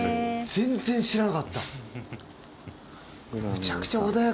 全然知らなかった。